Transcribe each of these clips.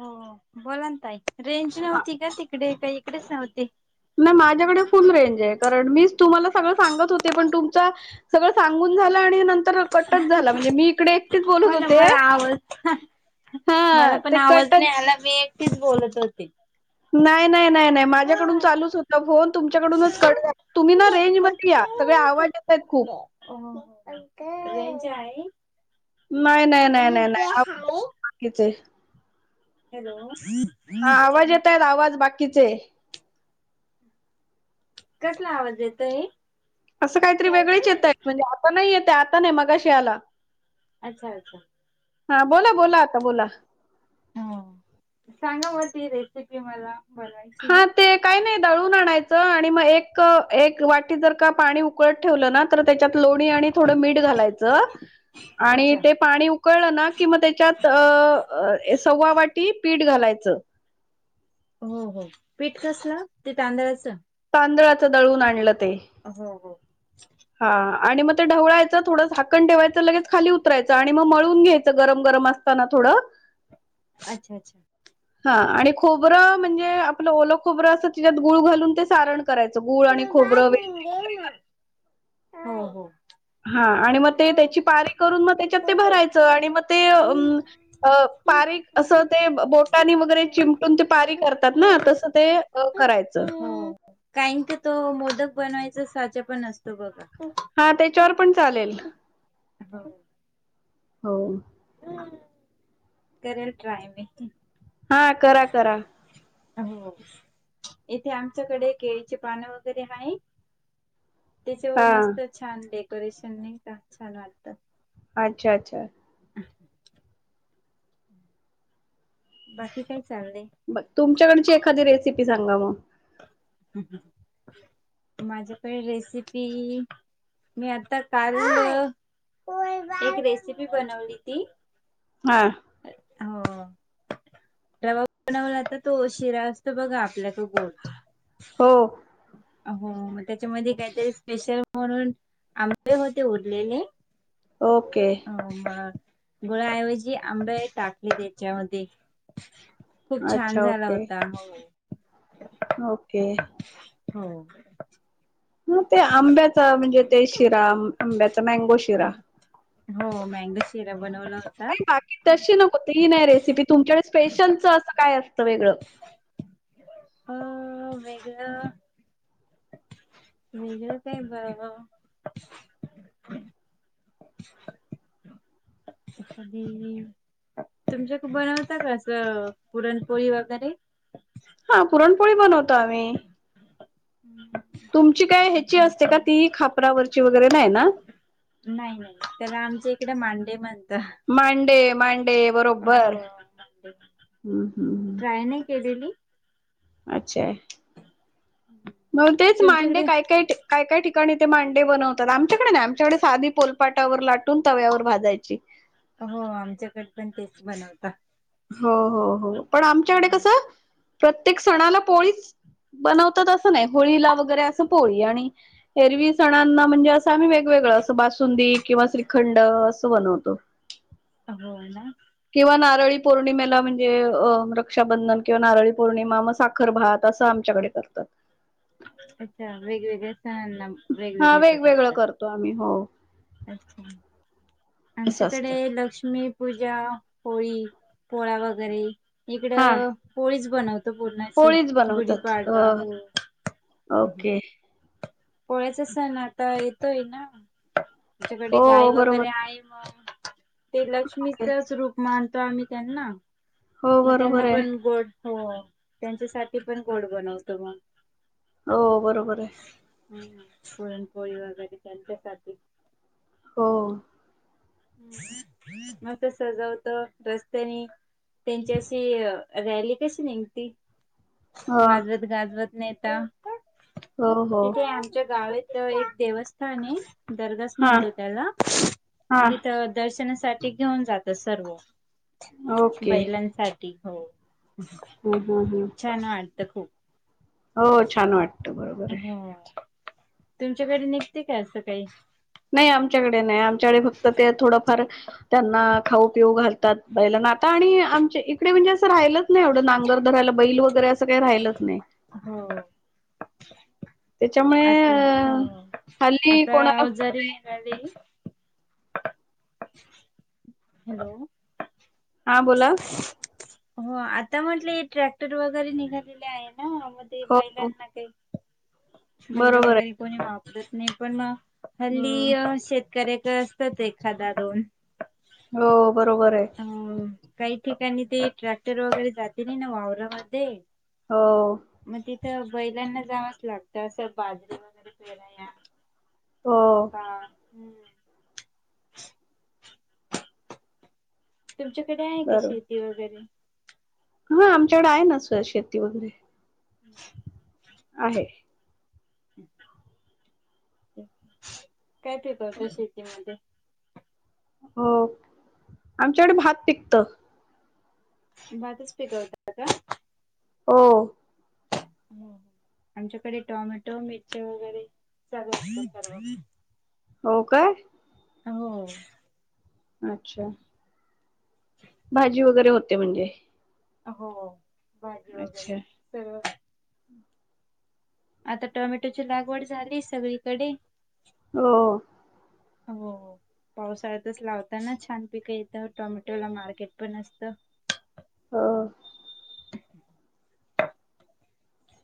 हो बोलान ताई रेंज हा, नव्हती का तिकडे का इकडेच नव्हती. नाही माझ्याकडे फुल रेंज आहे. कारण मीच तुम्हाला सगळ सांगत होते पण तुमचा सगळ सांगून झाल आणि नंतर कटच झाला म्हणजे मी इकडे एकटीच बोलत हो ना होते. मला आवाज हां ते कटच मीच बोलत होते. नाही नाही नाही. नाही माझ्याकडून चालूच होता फोन तुमच्याकडूनच कट झाला, तुम्ही ना रेंज मध्ये या सगळे आवाज येतात खूप. अ रेंज आहे? नाय नाय नाय नाय नाय आवाज येत आहेत बाकीचे. हॅलो हा आवाज येतायत आवाज बाकीचे. कसला आवाज येतोय? अस काहीतरी वेगळच येतय. म्हणजे आता नाही येतय. आता नाही मगाशी आला. अच्छा अच्छा हा बोला बोला आता बोला. ह सांगा मग ती रेसिपी मला हा [unintelligible] ते काही नाही दळून आणायच, आणि मग एक वाटी जर का पाणी उकळत ठेवल ना तर त्याच्यात लोणी आणि थोड मीठ घालायच आणि अच्छा ते पाणी उक उकळल ना कि मग त्याच्यात अ सव्वा वाटी पीठ घालायच. हो हो पीठ कसल ते तांदळाच? तांदळाच दळून आणल ते. हो हो हा आणि मग ते ढवळायच थोड झाकण ठेवायच लगेच खाली उतरायच आणि मग मळून घ्यायच गरम गरम असत. असताना थोड. अच्छा अच्छा हा आणि खोबर म्हणजे आपल ओल खोबर असत तिच्यात गुळ घालून ते सारण करायच गुळ आणि खोबर, फुलबाजून वेलची. दे वगैरे ना. हो हो हा आणि मग ते हो त्याची पारी करून मग त्याच्यात ते हो. भरायच आणि मग ते अ पारी अस हो, ते बोटानी वगैरे चिमटून ते पारी करतात ना तस ते. हो करायच काहींचात तो मोदक बनवायचा साचा पण असतो बघा. हा त्याच्यावर पण चालेल. हो हो हम्म करेल ट्राय मी. हां करा करा. इथे आमच्याकडे केळीचे पान वगैरे आहे. त्याच्यावर हां. मस्त छान डेकोरेशन नाहीका छान वाटत. अच्छा अच्छा [inaudible] बाकी काय चालय? तुमच्याकडची एखादी रेसिपी सांगा मग? माझ्याकडे रेसिपी मी आता कालच एक रेसिपी बनवलेली. हां हो रवा बनवला तर तो शिरा असतो बघा आपल्या तो गोड. हो हो त्याच्यामध्ये काहीतरी स्पेशल म्हणून आंबे होते उरलेले ओके गुळाऐवजी आंबे टाकले त्याच्यामध्ये. खूप छान अच्छा, झाला ओके. होता मग. ओके हो हं ते आंब्याचा म्हणजे ते शिरा आंब्याचा मँगो शिरा. हो मँगो शिरा बनवला होता. नाही बाकी तशी नको ती नाय रेसिपी, तुमच्याकडे स्पेशलच अस काय असत वेगळ? अं वेगळ वेगळ काय [unintelligible] [inaudible] तुमच्याकड बनवता का अस पुरण? पोळी वगैरे. हां पुरणपोळी बनवतो आम्ही. [inaudible] तुमची काय ह्याची असते का नाही ती खापरावरची वगैरे नाही ना? नाही नाही त्याला आमच्या इकडे मांडे म्हणतात. मांडे मांडे बरोबर. ट्राय नाही केलेली. हो तेच मांडे तुमच्याकडे काय काय काय काय ठिकाणी ते मांडे बनवतात आमच्याकडे नाही आमच्याकडे साधी पोलपाटावर लाटून तव्यावर भाजायची. हो आमच्याकडे पण तेच बनवतात. हो हो हो पण आमच्याकडे कस प्रत्येक सणाला पोळीच. बनवतात अस नाही होळीला वगैरे अस पोळी आणि एरवी सणांना म्हणजे अस आम्ही वेगवेगळ अस बासुंदी किंवा श्रीखंड अस बनवतो. हो ना. किंवा नारळी पौर्णिमेला म्हणजे रक्षाबंधन किंवा नारळी पौर्णिमा मग साखर भात अस आमच्याकडे करतात. अच्छा वेगवेगळ्या सणांना. हा वेगवेगळे वेगवेगळ पदार्थ करतो आम्ही हो. अच्छा! असं आमच्याकडे असतं लक्ष्मी पूजा, होळी, पोळा वगैरे. इकड हा पोळीच बनवतो पूरंणा ची पोळीच बनवतात अ गुढीपाडवा हो. ओके! पोळ्याचा सण आता येतोय ना! आमच्या कडे गाय हो बरोबर वगैरे आहे मंग ते आहे. लक्ष्मीचच रूप मानतो आम्ही त्यांना. हो म बरोबर त्यांना आहे पण गोड हो त्यांच्यासाठी पण गोड बनवतो म. हो बरोबर आहे! हं पुरणपोळी वगैरे त्यांच्यासाठी. हो! म ते सजवतं रस्त्यानी त्यांची अशी रॅली कशी निघंती ह वाजवत गाजवत नेतां, हो हो तिथे आमचे गाळे तेव एक देवस्थान हे दर्गाच हा म्हणतां त्याला हा तिथं दर्शनासाठी घेऊन जाता सर्व ओके बैलांनसा ठी हो! हं हं हं! छान वाटत खूप. हो छान वाट ह तुमच्याकडे निघतती का असं काही? नाही आमच्याकडे नाही, आमच्याकडे फक्त ते थोडंफार त्यांना खाऊ पिऊ घाल तात बैलाना, आता आणि आमच्या इकडे म्हणजे असं राहिलं च नाही एवढं नांगर धरायला बैल वगैरे, असं काही राहिलंच नाही. हो! त्याच्यामुळे आता हो, हल्ली आता कोणाला ओ होत जरी नाही. न्या कधी हॅलो! हां बोला! हो आता म्हतंलं हे ट्रॅक्टर वगैरे निघालेले आहे ना मं ते हो हो बैलांना काही बैल बरोबर आहे वगैरे कोणी वापरत नाही पण म. हल्ली हम्म अ शेतकऱ्याकं असततं एखादा दोन. हो बरोबर आहे. अ काही ठिकाणी ते ट्रॅक्टर वगैरे जाती नाही ना वावरामध्ये. हो! म तिथं बैलांना जावांच लागतं असं बाजरीे वगैरे पेराया. हो मका हूं! तुमच्या कडे आहे का शेती वगैरे मं आमच्याकडे आहे ना सं शेती वगैरे आहे. काय पिकवता शेतीमध्ये? हो आमच्याकडे भात पिकतं. भातच पिकवता का? हो! आमच्याकडे टॉमॅटो, मिरच्यां वगैरे चालू असत सर्व. हो काय! हो! अच्छा भाजी वगैरे होते म्हणजे. हो भाजी वगैरे अच्छा सगळ आता टोमॅटोची लागवड झाली सगळीकडे. हो हो पावसाळ्यातच लावताना छान पिक येत टोमॅटोला मार्केट पण असत. [inaudible]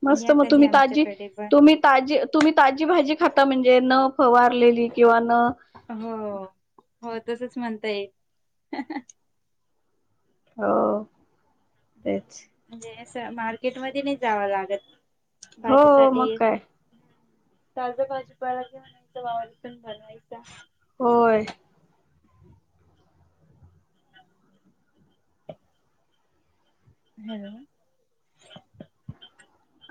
मस्त या मग कधी तुम्ही ताजी आमच्याकडे पण तुम्ही ताजी तुम्ही ताजी भाजी खाता म्हणजे न फवारलेली किंवा न हो हो तसच म्हणता येईल. हो तेच. म्हणजे अस मार्केट मध्ये नाही जाव लागत हो भाजीसाठी. मग काय ताजा भाजी पाला घेऊन वावरात पण बनवायच. होय हॅलो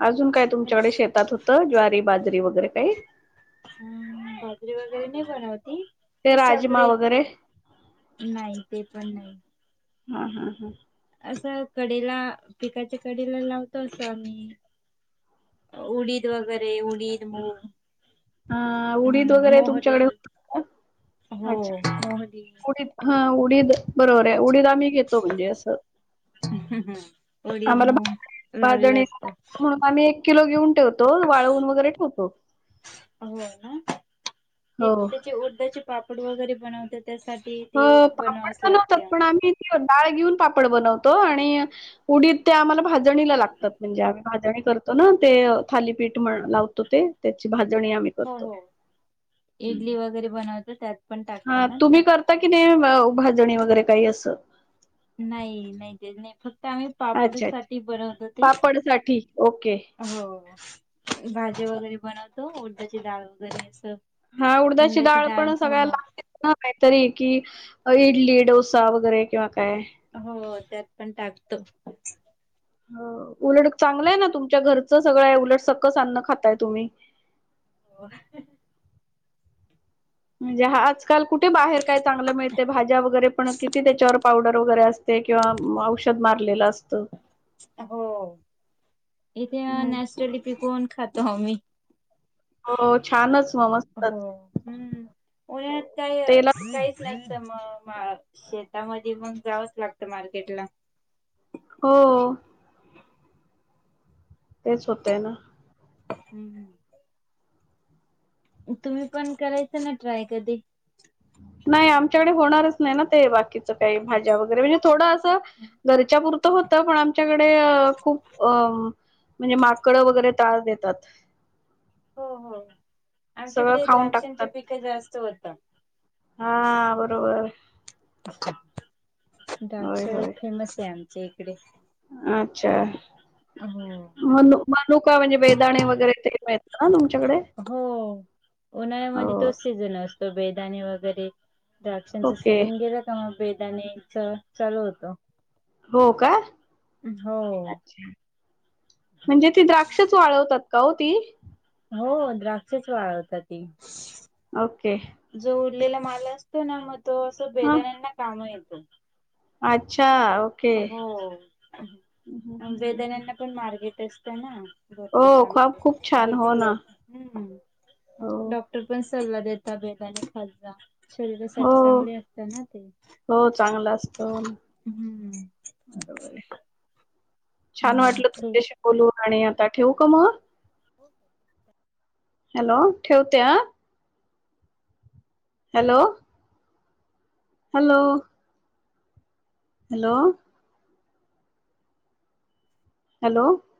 अजून काय तुमच्याकडे शेतात होत ज्वारी, बाजरी वगैरे काही? बाजरी वगैरे नाही बनवती ते हेच राजमा आपली. वगैरे नाही ते पण नाही. हां हां हां अस कडेला पिकाच्या कडेला लावतो अस आम्ही. उडीद वगैरे उडीद, मूग. हा उडीद हम्म वगैरे मोहरी. तुमच्याकडे होत का हो मोहरी अच्छा उडीद हा उडीद बरोबर आहे, उडीद आम्ही घेतो म्हणजे अस. उडिद, मूग लावलेल भाजणी असत. म्हणून आम्ही एक किलो घेऊन ठेवतो, वाळवून वगैरे ठेवतो. हो ना ते हो त्याचे उडदाचे पापड वगैरे बनवतात. त्यासाठी अ, ती पापड बनवावीच बनवतात, लागते. पण आम्ही डाळ घेऊन पापड बनवतो. आणि उडीद ते आम्हाला भाजी भाजणीला लागतात म्हणजे आम्ही भाजणी करतो ना ते थालीपीठ [unintelligible] ते त्याची भाजणी आम्ही हो करतो. हो इडली वगैरे बनव त्या [unintelligible] हा तुम्ही करता की नाही भाजणी वगैरे काही अस? नाही नाही त्याज नाही फक्त आम्ही अच्छा, अच्छा. पापडीसाठी बनवतो ते. पापडसाठी ओके. हो, भाजी वगैरे बनवतो, उडदाची डाळ वगैरे अस. हा उडदाची डाळ पण सगळ्याला लागते. हां काहीतरी कि इडली, डोसा वगैरे किंवा काय. हो, त्यात पण टाकतो. उलट चांगलय ना, तुमच्या घरच सगळ आहे, उलट सकस अन्न खाताय तुम्ही. हो. म्हणजे, आजकाल कुठे बाहेर काय चांगल मिळतय? भाज्या वगैरे पण किती त्याच्यावर पावडर वगैरे असती. ते किंवा औषध मारलेल असत. हो, इथे नॅचरली पिकवून खातो आम्ही. हो छानच मग मस्तच हो, हम्म उन्हाळ्यात काय तेला काही. नाही तर मग शेतामध्ये, मग जावच लागत मार्केटला. हो. तेच होतंय ना. हम्म, हम्. तुम्ही पण करायचं ना ट्राय कधी. नाही आमच्याकडे होणारच. नाही ना, ते बाकीचं काही भाज्या वगैरे म्हणजे थोडं असं. घरच्या पुुरतं होतं, पण आमच्याकडे खूप अ म्हणजे माकडं वगैरे त्रास देतात. हो, हो सगळं आमच्याकडे खाऊन द्राक्षांचे टाकतात पिक जास्त होतात. हा, बरोबर. होय द्राक्षे होय फेमस आहे, आमच्या इकडे. अच्छा. हो. मनु, मनुका म्हणजे बेदाणे वगैरे ते मिळत ना तुमच्याकडे. हो, हो उन्हाळ्यामध्ये तोच सीझन असतो बेदाणे वगैरे. द्राक्षांचा ओके सीजन गेला का मग बेदानेच चालू होतं. हो, का हो. अच्छा. म्हणजे, ती द्राक्षच वाळवतात का हो ती. हो, द्राक्षेच वाळवतात ती. ओके. जो उरलेला माल असतो ना, मग असं हा बेदाण्यांना काम येतो. अच्छा. ओके हो. बेदाणायला पण मार्गेट असत ना? हो भरपूर सांग ख्वाब खूप छान भरपूर हो ना डॉ. हो डॉक्टर पण सल्ला देतात बेदाने खात जा हो शरीरासाठी चांगले असतात ना ते, हो चांगला असतो हो ना हम्म. बरोबर अच्छ. आहे छान वाटल ठीक. तुमच्याशी बोलून, आणि आता ठेवू का मग. हॅलो, ठेवते ह. हॅलो. हॅलो. हॅलो. हॅलो.